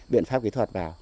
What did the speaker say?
biện pháp kỹ thuật vào